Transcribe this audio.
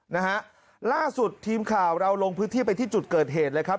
นะฮะล่าสุดทีมข่าวเราลงพื้นที่ไปที่จุดเกิดเหตุเลยครับ